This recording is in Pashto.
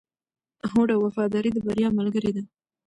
هوډ او وفاداري د بریا ملګري دي.